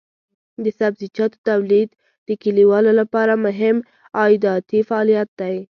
د سبزیجاتو تولید د کليوالو لپاره مهم عایداتي فعالیت دی.